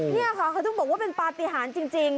นี่ค่ะเขาต้องบอกว่าเป็นปฏิหารจริง